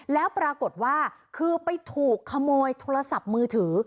แล้วปรากฏว่าคือไปถูกขโมยโทรศัพท์มือถือ